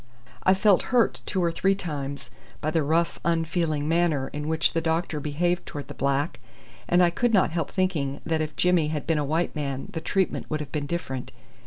I felt hurt two or three times by the rough, unfeeling manner in which the doctor behaved towards the black, and I could not help thinking that if Jimmy had been a white man the treatment would have been different.